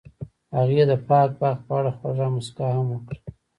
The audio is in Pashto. هغې د پاک باغ په اړه خوږه موسکا هم وکړه.